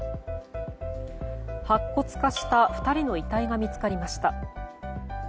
白骨化した２人の遺体が見つかりました。